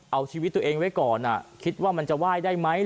เอาชีวิตตัวเองไว้ก่อนคิดว่ามันจะไหว้ได้ไหม